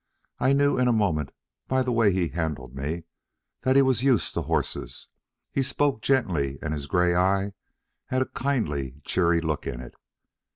I knew in a moment, by the way he handled me, that he was used to horses; he spoke gently, and his gray eye had a kindly, cheery look in it.